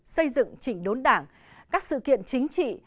xây dựng chỉnh đốn đảng các sự kiện chính trị